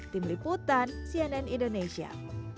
tim liputan cnn indonesia